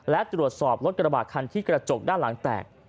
และตรวจสอบรถกระบาดคันที่กระจกด้านหลังแตก